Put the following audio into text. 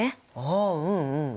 あうんうんうん。